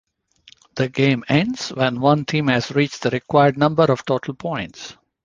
The game ends when one team has reached the required number of total points.